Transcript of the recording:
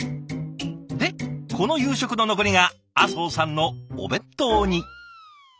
でこの夕食の残りが阿相さんのお弁当に。